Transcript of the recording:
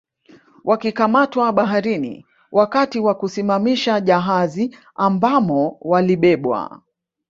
Wakikamatwa baharini wakati wa kusimamisha jahazi ambamo walibebwa